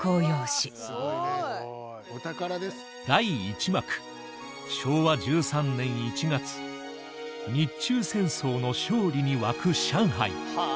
「第一幕昭和１３年１月日中戦争の勝利に沸く上海」。